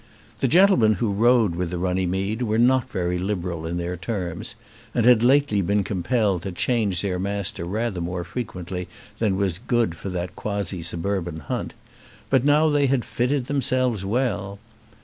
The gentlemen who rode with the Runnymede were not very liberal in their terms, and had lately been compelled to change their Master rather more frequently than was good for that quasi suburban hunt; but now they had fitted themselves well.